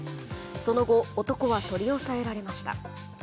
その後男は取り押さえられました。